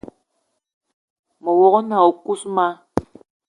Me wog-na o kousma: